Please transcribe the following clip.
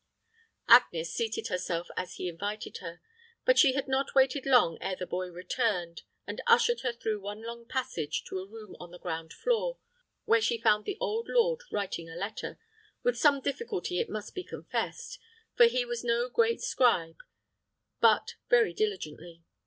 Agnes seated herself, as he invited her; but she had not waited long ere the boy returned, and ushered her through one long passage to a room on the ground floor, where she found the old lord writing a letter with some difficulty it must be confessed; for he was no great scribe but very diligently.